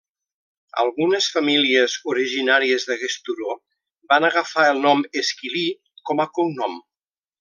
Algunes famílies originàries d'aquest turó van agafar el nom Esquilí com a cognom.